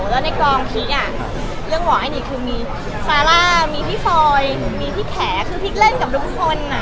แล้วในกองพีคเรื่องหวอไอ้นี่คือมีซาร่ามีพี่ฟอยมีพี่แขคือพริกเล่นกับทุกคน